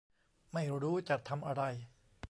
ไม่รู้จะทำอะไร